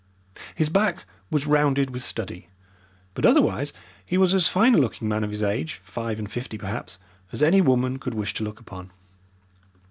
His back was rounded with study, but otherwise he was as fine a looking man of his age five and fifty perhaps as any woman would wish to look upon.